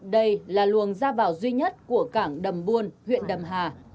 đây là luồng ra vào duy nhất của cảng đầm buôn huyện đầm hà